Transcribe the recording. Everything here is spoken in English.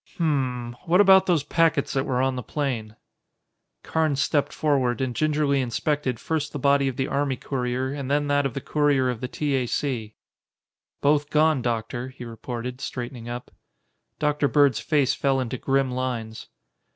"Hm m! What about those packets that were on the plane?" Carnes stepped forward and gingerly inspected first the body of the army courier and then that of the courier of the T. A. C. "Both gone, Doctor," he reported, straightening up. Dr. Bird's face fell into grim lines.